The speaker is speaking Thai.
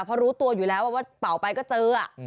เพราะรู้ตัวอยู่แล้วว่าเป่าไปก็เจอ